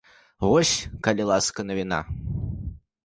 Вось, калі ласка, навіна.